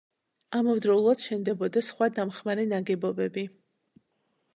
ამავდროულად შენდებოდა სხვა დამხმარე ნაგებობები.